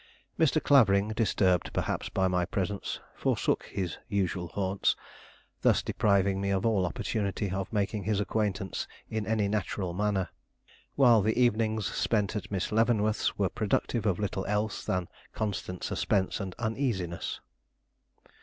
Mr. Clavering, disturbed perhaps by my presence, forsook his usual haunts, thus depriving me of all opportunity of making his acquaintance in any natural manner, while the evenings spent at Miss Leavenworth's were productive of little else than constant suspense and uneasiness.